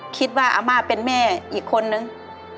คิดว่าอาม่าเป็นแม่อีกคนนึง